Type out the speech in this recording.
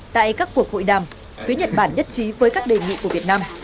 tại các cuộc hội đàm phía nhật bản nhất trí với các đề nghị của việt nam